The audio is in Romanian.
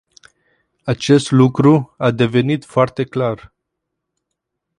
Acest lucru a devenit foarte clar.